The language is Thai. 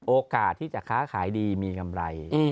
โอกาสที่จะค้าขายดีมีกำไร